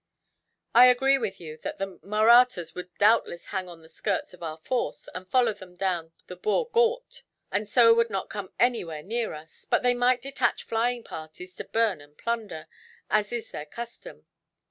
"I agree with you that the Mahrattas would doubtless hang on the skirts of our force, and follow them down the Bhore Ghaut, and so would not come anywhere near us; but they might detach flying parties to burn and plunder, as is their custom.